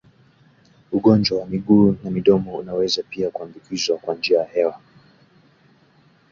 Ugonjwa wa miguu na midomo unaweza pia kuambukizwa kwa njia ya hewa